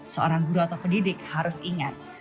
seorang guru atau pendidik harus ingat